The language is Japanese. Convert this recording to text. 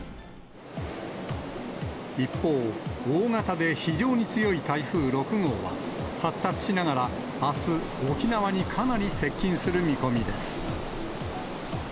一方、大型で非常に強い台風６号は、発達しながらあす、沖縄にかなり接近する見込みです。